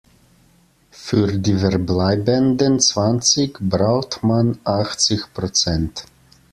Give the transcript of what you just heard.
Für die verbleibenden zwanzig braucht man achtzig Prozent.